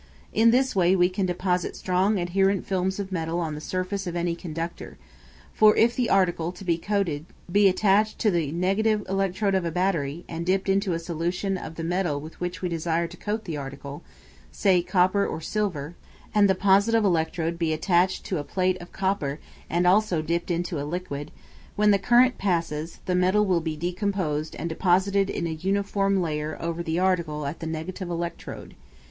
In this way we can deposit strong adherent films of metal on the surface of any conductor; for if the article to be coated be attached to the negative electrode of a battery, and dipped into a solution of the metal with which we desire to coat the article, say copper or silver, and the positive electrode be attached to a plate of copper and also dipped into a liquid, when the current passes, the metal will be decomposed and deposited in a uniform layer over the article at the negative electrode.